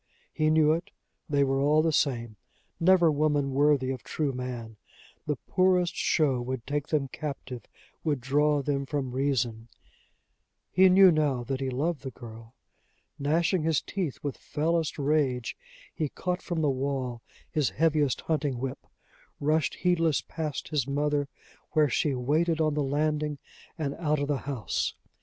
He knew it; they were all the same! Never woman worthy of true man! The poorest show would take them captive, would draw them from reason! He knew now that he loved the girl. Gnashing his teeth with fellest rage, he caught from the wall his heaviest hunting whip, rushed heedless past his mother where she waited on the landing, and out of the house.